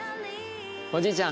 おじいちゃん